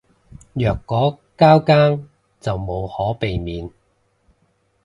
若果交更就無可避免